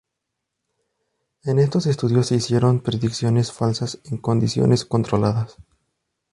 En estos estudios se hicieron predicciones falsas en condiciones controladas.